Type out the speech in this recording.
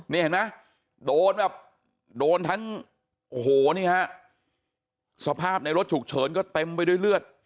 นี่เห็นไหมโดนแบบโดนทั้งโอ้โหนี่ฮะสภาพในรถฉุกเฉินก็เต็มไปด้วยเลือด